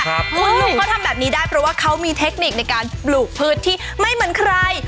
คุณลุงเขาทำแบบนี้ได้เพราะว่าเขามีเทคนิคในการปลูกพืชที่ไม่เหมือนใคร